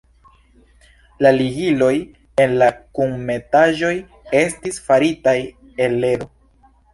La ligiloj en la kunmetaĵoj estis faritaj el ledo.